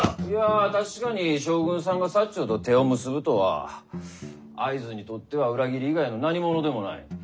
いや確かに将軍さんが長と手を結ぶとは会津にとっては裏切り以外の何物でもない。